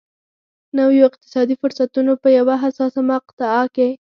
نویو اقتصادي فرصتونو په یوه حساسه مقطعه کې.